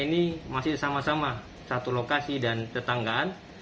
ini masih sama sama satu lokasi dan tetanggaan